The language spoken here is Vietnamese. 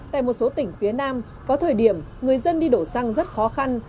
tại một số tỉnh phía nam có thời điểm người dân đi đổ xăng rất khó khăn